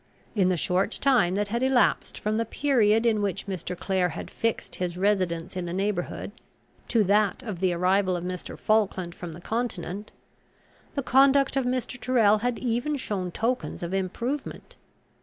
In the short time that had elapsed from the period in which Mr. Clare had fixed his residence in the neighbourhood, to that of the arrival of Mr. Falkland from the Continent, the conduct of Mr. Tyrrel had even shown tokens of improvement.